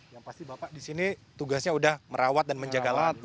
yang pasti bapak di sini tugasnya udah merawat dan menjaga lat